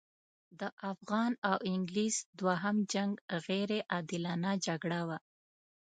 د افغان او انګلیس دوهم جنګ غیر عادلانه جګړه وه.